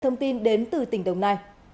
thông tin đến từ tỉnh đồng nai